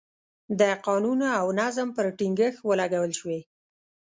د قانون او نظم پر ټینګښت ولګول شوې.